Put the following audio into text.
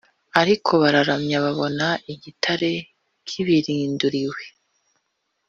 ariko bararamye babona igitare kibirunduriwe